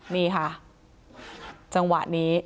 นี่ค่ะ